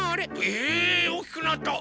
えっ⁉おおきくなった！